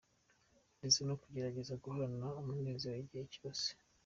Ndetse no kugerageza guhorana umuneza igihe cyose.